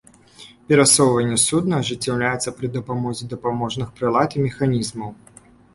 Перасоўванне судна ажыццяўляецца пры дапамозе дапаможных прылад і механізмаў.